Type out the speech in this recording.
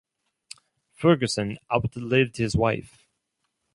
Ferguson outlived his wife.